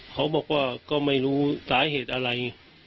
เขาบอกว่าก็ไม่รู้สาเหตุอะไร